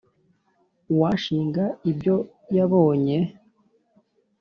uwashinga ibyo yabonye